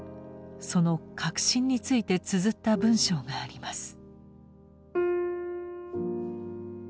その核心についてつづった文章があります。